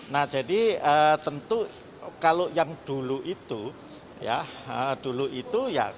nah jadi tentu kalau yang dulu itu ya dulu itu ya